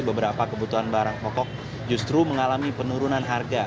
beberapa kebutuhan barang pokok justru mengalami penurunan harga